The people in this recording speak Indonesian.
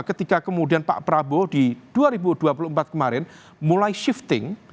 ketika kemudian pak prabowo di dua ribu dua puluh empat kemarin mulai shifting